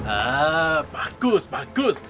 ah bagus bagus